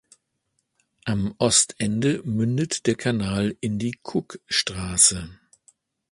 Am Ostende mündet der Kanal in die Cookstraße.